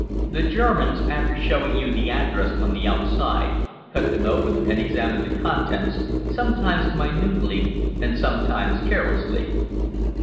The Germans, after showing you the address on the outside, cut them open and examined the contents, sometimes minutely and sometimes carelessly.